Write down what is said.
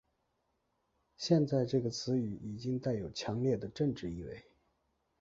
现在这个词语已经带有强烈的政治意味。